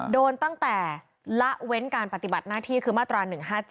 โดนตั้งแต่ละเว้นการปฏิบัติหน้าที่คือมาตรา๑๕๗